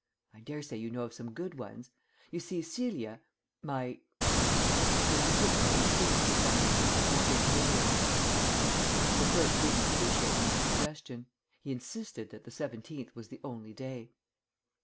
I daresay you know of some good ones. You see, Celia my that is, we're particularly keen, for some reason, on St. Miriam's." The clerk didn't appreciate my suggestion. He insisted that the seventeenth was the only day.